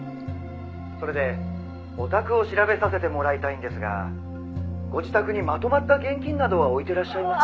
「それでお宅を調べさせてもらいたいんですがご自宅にまとまった現金などは置いてらっしゃいますか？」